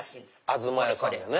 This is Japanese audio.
東屋さんのね。